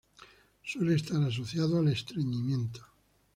Suele estar asociado al estreñimiento.